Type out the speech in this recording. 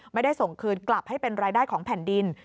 ไม่ได้ส่งคืนกลับให้เป็นรายได้ของแผ่นดิน